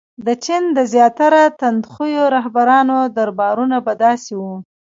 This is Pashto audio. • د چین د زیاتره تندخویو رهبرانو دربارونه به داسې وو.